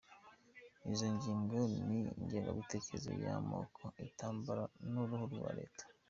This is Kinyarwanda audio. Izo ngingo ni ingengabitekerezo y’amoko, intambara n’uruhare rwa Leta.